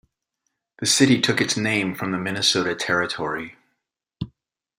The city took its name from the Minnesota Territory.